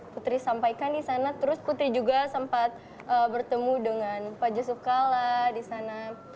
putri sampaikan di sana terus putri juga sempat bertemu dengan pak yusuf kalla di sana